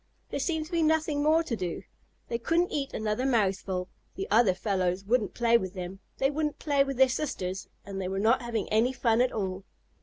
There seemed to be nothing more to do. They couldn't eat another mouthful, the other fellows wouldn't play with them, they wouldn't play with their sisters, and they were not having any fun at all.